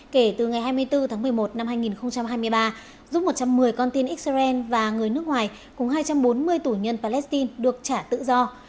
kể từ ngày hai mươi bốn tháng một mươi một năm hai nghìn hai mươi ba giúp một trăm một mươi con tin israel và người nước ngoài cùng hai trăm bốn mươi tù nhân palestine được trả tự do